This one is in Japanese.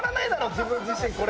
自分自身これ。